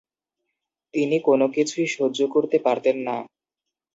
তিনি কোনো কিছুই সহ্য করতে পারতেন না।